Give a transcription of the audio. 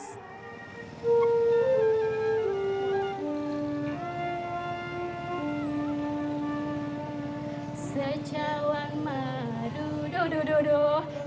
mereka berbagi tugas yang sudah ditentukan pimpinan orkes